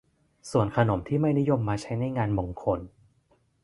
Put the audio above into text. ส่วนขนมที่ไม่นิยมนำมาใช้ในงานมงคล